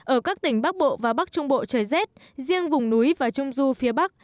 ở các tỉnh bắc bộ và bắc trung bộ trời rét riêng vùng núi và trung du phía bắc